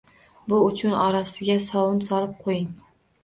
Bu uchun orasiga sovun solib qo'ying